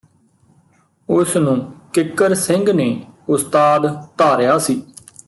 ਉਸ ਨੂੰ ਕਿੱਕਰ ਸਿੰਘ ਨੇ ਉਸਤਾਦ ਧਾਰਿਆ ਸੀ